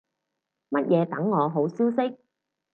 乜嘢等我好消息